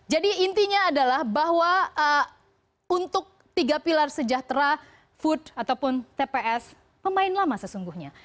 jadi intinya adalah bahwa untuk tiga pilar sejahtera food ataupun tps pemain lama sesungguhnya